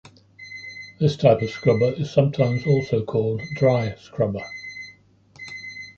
This type of scrubber is sometimes also called dry scrubber.